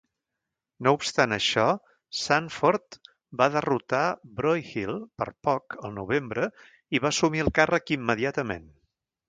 No obstant això, Sanford va derrotar Broyhill per poc al novembre i va assumir el càrrec immediatament.